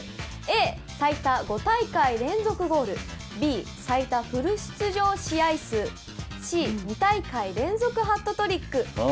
Ａ、最多５大会連続ゴールＢ、最多フル出場試合数Ｃ、２大会連続ハットトリック。